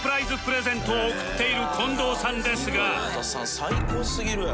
最高すぎるやろ。